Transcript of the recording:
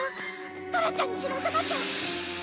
ドラちゃんに知らせなきゃ！